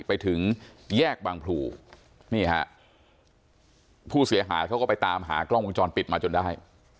ไปถึงแยกบางพลูนี่ฮะผู้เสียหายเขาก็ไปตามหากล้องวงจรปิดมาจนได้